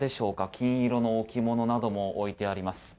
金色の置物なども置いてあります。